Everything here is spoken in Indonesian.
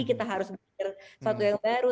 kita harus berpikir sesuatu yang baru